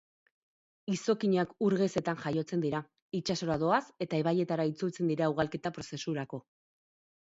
Izokinak ur gezetan jaiotzen dira, itsasora doaz eta ibaietara itzultzen dira ugalketa-prozesurako.